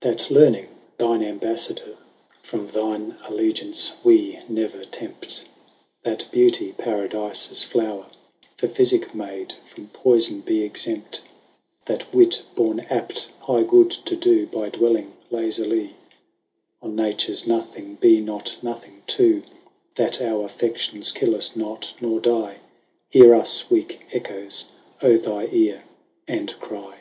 That learning, thine AmbaiTador, 235 From thine allegeance wee never tempt, That beauty, paradifes flower For phyficke made, from poyfon be exempt, That wit, borne apt high good to doe, By dwelling lazily 240 On Natures nothing, be not nothing too, That our affections kill us not, nor dye, Heare us, weake ecchoes, O thou eare, and cry.